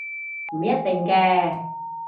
唔一定嘅